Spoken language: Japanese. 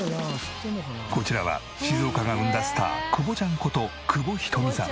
こちらは静岡が生んだスター久保ちゃんこと久保ひとみさん。